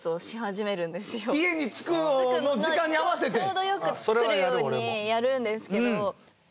ちょうどよく来るようにやるんですけど。